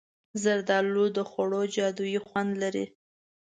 زردالو د خوړو جادويي خوند لري.